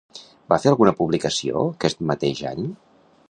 Va fer alguna publicació aquest mateix any?